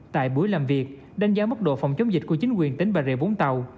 tại buổi làm việc đánh giá mức độ phòng chống dịch của chính quyền tỉnh bà rịa vũng tàu